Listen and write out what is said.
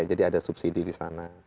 ada subsidi disana